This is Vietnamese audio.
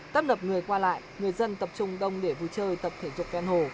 tấp nập người qua lại người dân tập trung đông để vui chơi tập thể dục ven hồ